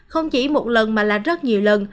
không chỉ một lần mà là rất nhiều lần